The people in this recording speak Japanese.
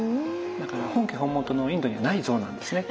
だから本家本元のインドにはない像なんですね。